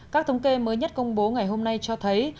các thống kê mới nhất công bố ngày hôm nay cho thấy